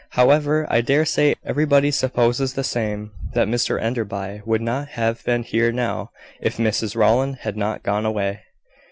However, I dare say everybody supposes the same, that Mr Enderby would not have been here now if Mrs Rowland had not gone away.